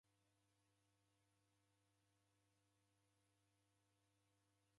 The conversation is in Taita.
Kulole sere na wandu ngelo yose.